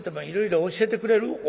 いろいろ教えてくれる？